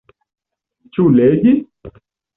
Ĉu legi?